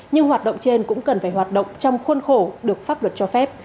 nhưng hoạt động trên cũng cần phải hoạt động trong khuôn khổ được pháp luật cho phép